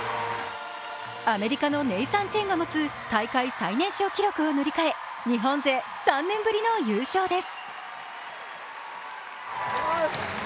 アメリカのネイサン・チェンが持つ大会最年少記録を塗り替え日本勢３年ぶりの優勝です。